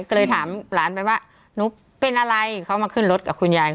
ก็เลยถามหลานไปว่าหนูเป็นอะไรเขามาขึ้นรถกับคุณยาย